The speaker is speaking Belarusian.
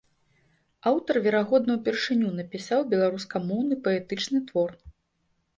Аўтар верагодна ўпершыню напісаў беларускамоўны паэтычны твор.